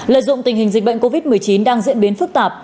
lợi dụng tình hình dịch bệnh covid một mươi chín đang diễn biến phức tạp